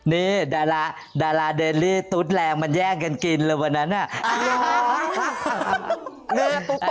นี่ดาราดาราเดลลี่ตุ๊ดแรงมันแย่งกันกินเลยวันนั้นน่ะ